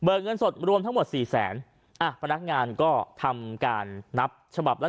เบิกเงินสดรวมทั้งหมด๔๐๐๐๐๐อ๋อพนักงานก็ทำการนับฉบับละ๑๐๐๐